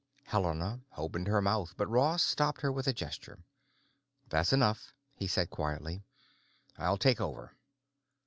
Helena opened her mouth, but Ross stopped her with a gesture. "That's enough," he said quietly. "I'll take over.